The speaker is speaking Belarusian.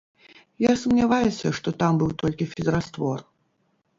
Я сумняваюся, што там быў толькі фізраствор.